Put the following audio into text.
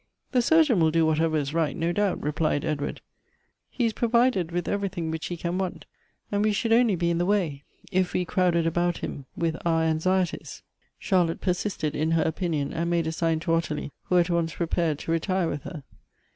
"The surgeon will do whatever is right, no doubt," replied Edward. " He is provided with everything Elective Affinities. 125 which he can want, and we should only be in the way if we crowded about him with our anxieties." Charlotte persisted in her opinion, and made a sign to Ottilie, who at once preptired to retire with her.